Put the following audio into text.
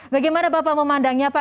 bagaimana bapak memandangnya pak